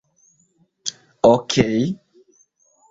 okej